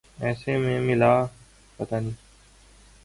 اَیسا میں ملالہ ظہور پزیر